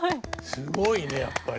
すごいねやっぱり。